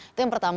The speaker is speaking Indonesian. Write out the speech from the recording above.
itu yang pertama